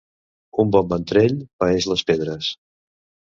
Un bon ventrell paeix les pedres.